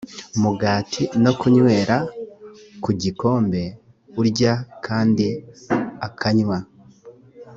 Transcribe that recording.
mugati no kunywera ku gikombe urya kandi akanywa